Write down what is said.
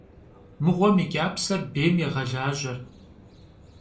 Mığuem yi ç'apser bêym yêğelaje.